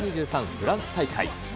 フランス大会。